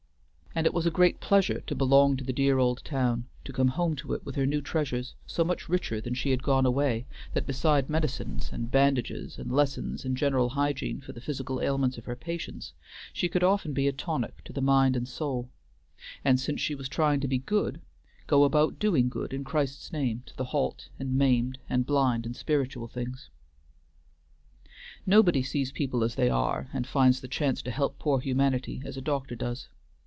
And it was a great pleasure to belong to the dear old town, to come home to it with her new treasures, so much richer than she had gone away that beside medicines and bandages and lessons in general hygiene for the physical ails of her patients, she could often be a tonic to the mind and soul; and since she was trying to be good, go about doing good in Christ's name to the halt and maimed and blind in spiritual things. Nobody sees people as they are and finds the chance to help poor humanity as a doctor does.